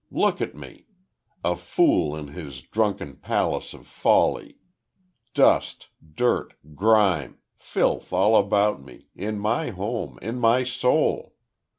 Look at me! A fool in his drunken Palace of Folly! Dust, dirt, grime, filth all about me in my home in my soul!